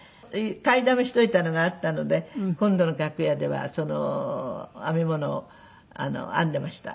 買いだめしといたのがあったので今度の楽屋では編み物を編んでいました。